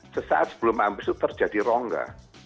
sesaat sebelum ambs itu terjadi rongga